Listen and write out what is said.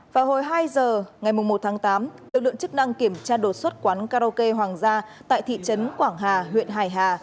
vào hồi hai giờ ngày một tháng tám lực lượng chức năng kiểm tra đột xuất quán karaoke hoàng gia tại thị trấn quảng hà huyện hải hà